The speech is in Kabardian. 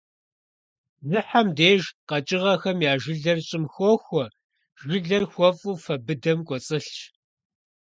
Бжьыхьэм деж къэкӏыгъэхэм я жылэр щӏым хохуэ, жылэр хуэфӏу фэ быдэм кӏуэцӏылъщ.